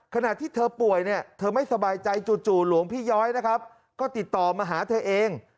ขณะที่เธอป่วยเนี่ยเธอไม่สบายใจจู่หลวงพี่ย้อยนะครับก็ติดต่อมาหาเธอเอง